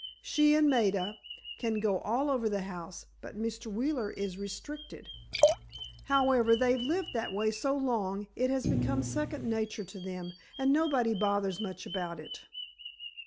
She and Maida can go all over the house, but Mr. Wheeler is restricted. However, they've lived that way so long, it has become second nature to them, and nobody bothers much about it."